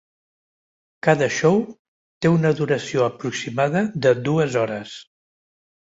Cada show té una duració aproximada de dues hores.